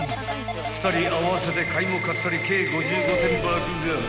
［２人合わせて買いも買ったり計５５点爆買い］